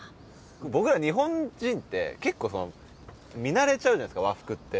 僕ら日本人って結構見慣れちゃうじゃないですか和服って。